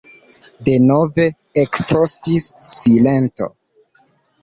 Denove ekfrostis silento.